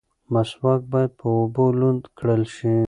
مسواک باید په اوبو لوند کړل شي.